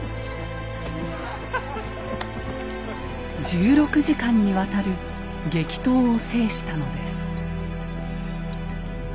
１６時間にわたる激闘を制したのです。